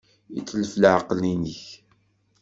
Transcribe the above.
Yetlef leɛqel-nnek.